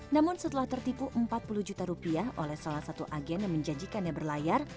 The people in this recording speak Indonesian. namun setelah tertipu empat puluh juta rupiah oleh salah satu agen yang menjanjikannya berlayar